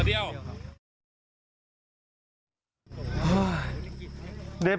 ตัวเดียวครับ